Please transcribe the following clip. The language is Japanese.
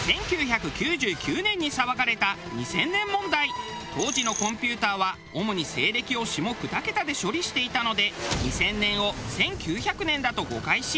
１９９９年に騒がれた当時のコンピューターは主に西暦を下２桁で処理していたので２０００年を１９００年だと誤解し。